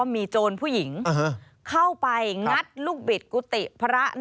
มีโจรผู้หญิงเข้าไปงัดลูกบิดกุฏิพระ